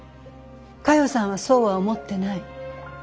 佳代さんはそうは思ってない。